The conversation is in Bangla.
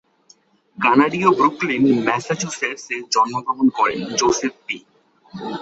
কানাডীয় ব্রুকলিন, ম্যাসাচুসেটস এ জন্মগ্রহণ করেন, জোসেফ পি।